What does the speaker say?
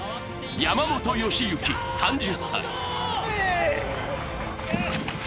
山本良幸３０歳。